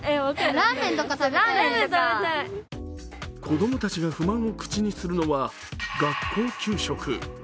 子供たちが不満を口にするのは学校給食。